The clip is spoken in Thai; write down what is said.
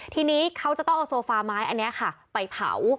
ทีนี้เขาจะต้องเอาโซฟาไม้อันนี้ค่ะไปเผา